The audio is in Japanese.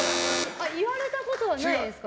言われたことはないですか？